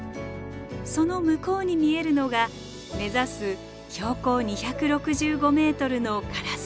その向こうに見えるのが目指す標高２６５ｍの烏場山です。